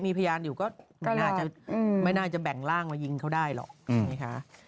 มีพยานอยู่ก็ไม่น่าจะแบ่งร่างมายิงเขาได้หรอก